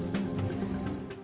tim liputan cnn indonesia